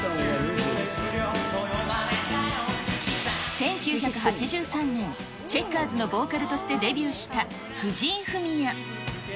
１９８３年、チェッカーズのボーカルとしてデビューした藤井フミヤ。